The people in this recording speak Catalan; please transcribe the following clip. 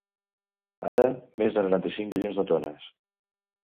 Ara, més de noranta-cinc milions de tones.